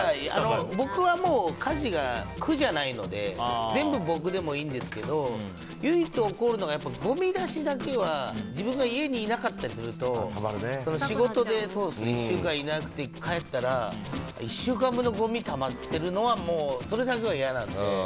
僕はもう家事が苦じゃないので全部、僕でもいいんですけど唯一怒るのが、ごみ出しだけは自分が家にいなかったりすると仕事で１週間いなくて帰ったら１週間分のごみがたまっているのはもう、それだけは嫌なので。